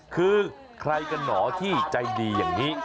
คือใครกันหนอที่ใจดีอย่างนี้